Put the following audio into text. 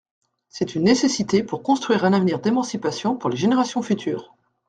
C’est une nécessité pour construire un avenir d’émancipation pour les générations futures.